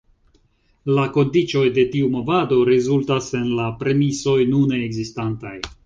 La kondiĉoj de tiu movado rezultas el la premisoj nune ekzistantaj".